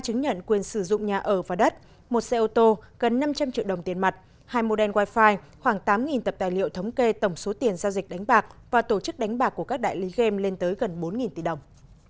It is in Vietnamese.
hai chứng nhận quyền sử dụng nhà ở và đất một xe ô tô gần năm trăm linh triệu đồng tiền mặt hai model wifi khoảng tám tập tài liệu thống kê tổng số tiền giao dịch đánh bạc và tổ chức đánh bạc của các đại lý game lên tới gần bốn tỷ đồng